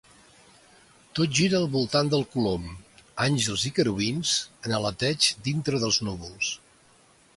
Tot gira al voltant del colom, àngels i querubins en aleteig dintre dels núvols.